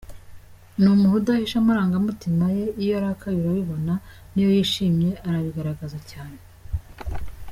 Ni umuntu udahisha amarangamutima ye iyo arakaye urabibona, n’iyo yishimye arabigaragaza cyane.